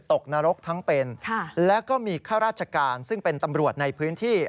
นรกทั้งเป็นและก็มีข้าราชการซึ่งเป็นตำรวจในพื้นที่